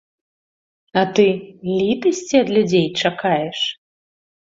А ты літасці ад людзей чакаеш?